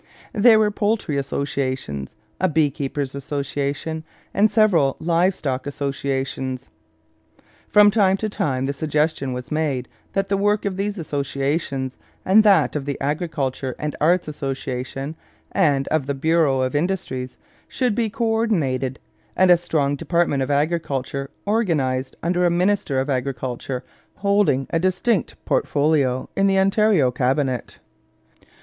There were poultry associations, a beekeepers' association, and several live stock associations. From time to time the suggestion was made that the work of these associations, and that of the Agriculture and Arts Association and of the bureau of Industries, should be co ordinated, and a strong department of Agriculture organized under a minister of Agriculture holding a distinct portfolio in the Ontario cabinet.